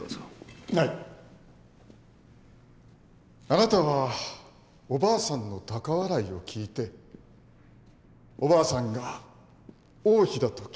あなたはおばあさんの高笑いを聞いておばあさんが王妃だと気付いたんですね？